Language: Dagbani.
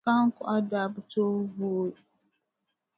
Kahiŋkɔɣu daa bi tooi vooi,